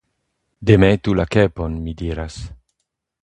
Demetu la kepon, mi diras.